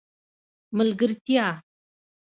ملګرتیا